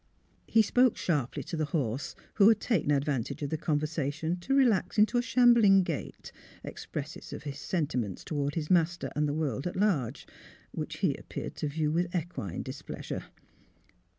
He spoke sharply to the horse, who had taken advantage of the conversation to relax into SYLVIA'S CHILD 277 a shambling gait, expressive of his sentiments toward his master and the world at large, which he appeared to view with equine displeasure.